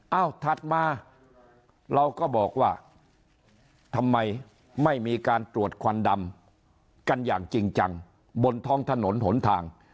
ถัดมาเราก็บอกว่าทำไมไม่มีการตรวจควันดำกันอย่างจริงจังบนท้องถนนหนทาง